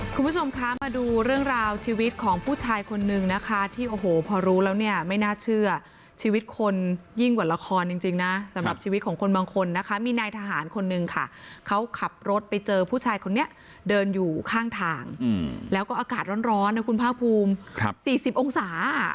คุณผู้ชมคะมาดูเรื่องราวชีวิตของผู้ชายคนนึงนะคะที่โอ้โหพอรู้แล้วเนี่ยไม่น่าเชื่อชีวิตคนยิ่งกว่าละครจริงนะสำหรับชีวิตของคนบางคนนะคะมีนายทหารคนนึงค่ะเขาขับรถไปเจอผู้ชายคนนี้เดินอยู่ข้างทางแล้วก็อากาศร้อนนะคุณภาคภูมิ๔๐องศา